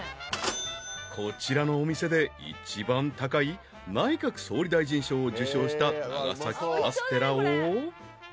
［こちらのお店で一番高い内閣総理大臣賞を受賞した長崎カステラを］